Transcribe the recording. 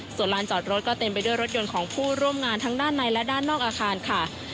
ส่วนลานจอดรถก็เต็มไปด้วยรถยนต์ของผู้ร่วมงานทั้งด้านในและด้านนอกอาคารค่ะ